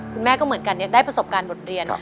คุณแม่ก็เหมือนกันได้ประสบการณ์บทเรียน